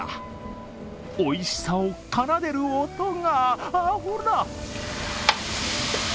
おいしさを奏でる音が、ほら！